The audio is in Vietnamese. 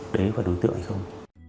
đấy là đối tượng hay không